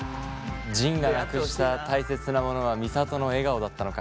仁がなくしたたいせつなものは美里の笑顔だったのか。